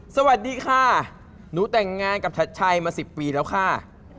สวัสดีค่ะหนูแต่งงานกับชัดชัยมา๑๐ปีแล้วค่ะ